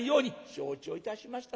「承知をいたしました。